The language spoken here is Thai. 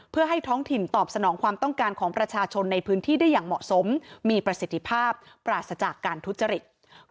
เพื่อให้ท้องถิ่นตอบสนองความต้องการของประชาชนในพื้นที่ได้อย่างเหมาะสมมีประสิทธิภาพปราศจากการทุจริต